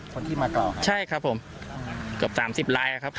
คนที่มาหลอกใช่ครับผมเกือบสามสิบลายครับ